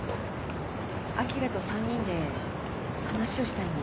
あきらと３人で話をしたいの。